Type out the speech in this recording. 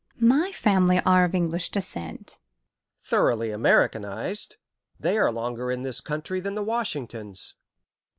"My family are of English descent." "Thoroughly Americanized. They are longer in this country than the Washingtons."